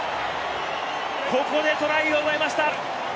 ここでトライを奪いました！